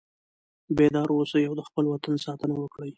بیدار اوسئ او د خپل وطن ساتنه وکړئ.